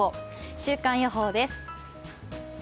週間予報です。